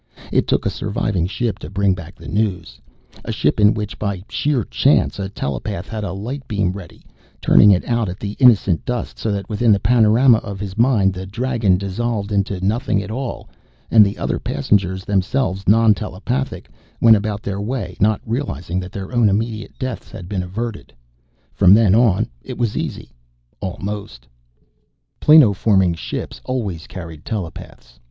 It took a surviving ship to bring back the news a ship in which, by sheer chance, a telepath had a light beam ready, turning it out at the innocent dust so that, within the panorama of his mind, the Dragon dissolved into nothing at all and the other passengers, themselves non telepathic, went about their way not realizing that their own immediate deaths had been averted. From then on, it was easy almost. Planoforming ships always carried telepaths.